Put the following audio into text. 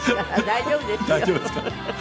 大丈夫ですか？